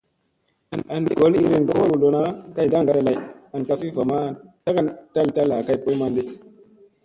An gol iirin kolo hu lona, kay daŋgaada lay an ka fi vama tagan taltalla kay boy manɗi.